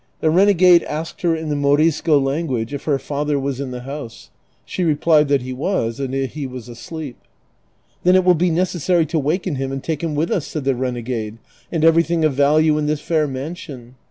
The renegade asked her in the Morisco language if her father was in the house. She replied that he was and that he was asleep. " Then it will be necessary to waken him and take him with us," said the renegade, " and everything of value in this fair mansion."